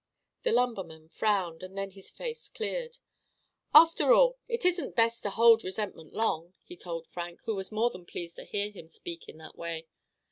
The lumberman frowned, and then his face cleared. "After all, it isn't best to hold resentment long," he told Frank, who was more than pleased to hear him speak in that way.